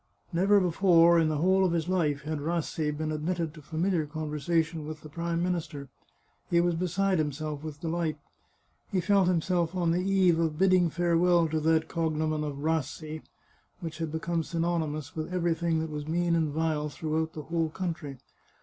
Never before, in the whole of his life, had Rassi been admitted to familiar conversation with the Prime Minister. He was beside himself with delight. He felt himself on the eve of bidding farewell to that cognomen of Rassi, which had become synonymous with everything that was mean and vile throughout the whole country.